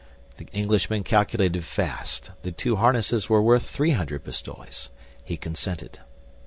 The Englishman calculated fast; the two harnesses were worth three hundred pistoles. He consented.